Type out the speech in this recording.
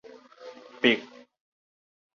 百